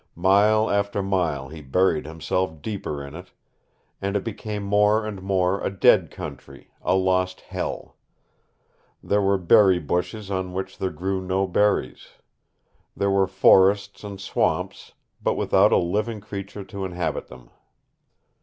Mile after mile he buried himself deeper in it, and it became more and more a dead country, a lost hell. There were berry bushes on which there grew no berries. There were forests and swamps, but without a living creature to inhabit them.